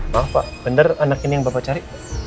maaf pak benar anak ini yang bapak cari